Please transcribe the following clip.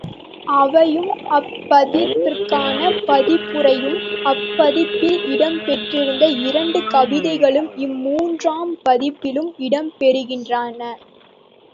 அவையும் அப் பதிப்பிற்கான பதிப்புரையும் அப்பதிப்பில் இடம் பெற்றிருந்த இரண்டு கவிதைகளும் இம் மூன்றாம் பதிப்பிலும் இடம் பெறுகின்றன.